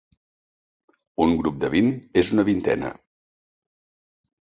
Un grup de vint és una vintena.